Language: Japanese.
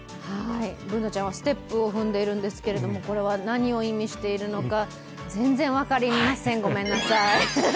Ｂｏｏｎａちゃんはステップを踏んでいるんですけれども、これは何を意味しているのか全然、分かりませんごめんなさい。